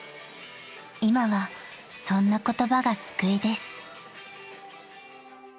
［今はそんな言葉が救いです］